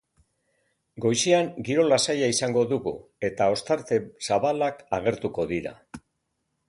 Goizean, giro lasaia izango dugu, eta ostarte zabalak agertuko dira.